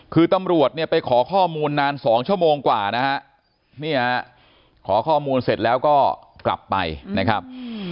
คือตำรวจเนี่ยไปขอข้อมูลนาน๒ชั่วโมงกว่านะฮะเนี่ยขอข้อมูลเสร็จแล้วก็กลับไปนะครับ